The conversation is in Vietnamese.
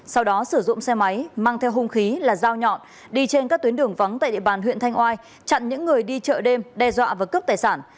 sau đó sử dụng xe máy mang theo hung khí là dao nhọn đi trên các tuyến đường vắng tại địa bàn huyện thanh oai chặn những người đi chợ đêm đe dọa và cướp tài sản